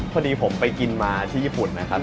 พอดีผมไปกินมาที่ญี่ปุ่นนะครับ